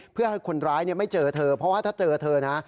เพื่อให้คนร้ายไม่เจอเธอเพราะว่าถ้าเจอเธอนะ